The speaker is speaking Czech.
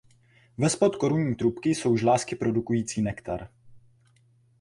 Vespod korunní trubky jsou žlázky produkující nektar.